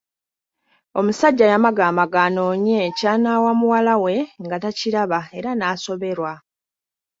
Omusajja yamagaamaga anoonye ky’anaawa muwala we nga takiraba era n’asoberwa.